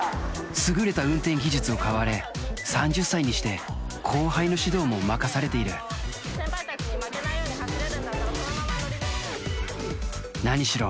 優れた運転技術を買われ３０歳にして後輩の指導も任されている何しろ